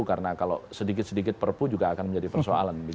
karena kalau sedikit sedikit perpu juga akan menjadi persoalan